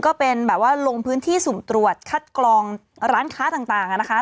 ก็เป็นแบบว่าลงพื้นที่สุ่มตรวจคัดกรองร้านค้าต่างนะคะ